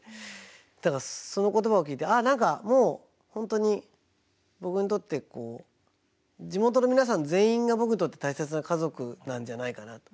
だからその言葉を聞いてああ何かもう本当に僕にとって地元の皆さん全員が僕にとって大切な家族なんじゃないかなと。